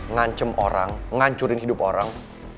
ngancem orang ngancurin hidup orang